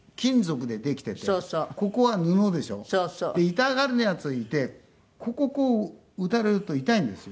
痛がらないやつがいてこここう打たれると痛いんですよ。